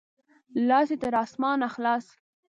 لاس دې تر اسمانه خلاص!